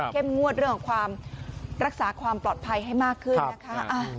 เข้มงวดเรื่องรักษาความปลอดภัยให้มากขึ้นนะคะ